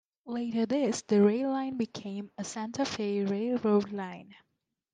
Later this the rail line became a Santa Fe Railroad line.